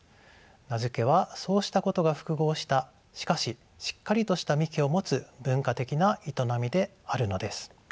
名付けはそうしたことが複合したしかししっかりとした幹を持つ文化的な営みであるのです。